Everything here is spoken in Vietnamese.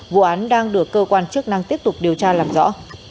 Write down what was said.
vụ án đang được cơ quan chức năng tiếp tục điều tra làm rõ